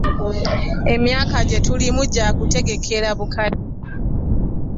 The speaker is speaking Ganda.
Emyaka gye tulimu gya kutegekera bukadde.